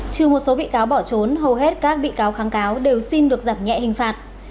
trừ một số bị cáo bỏ trốn hầu hết các bị cáo kháng cáo đều xin được giảm nhẹ hình phạt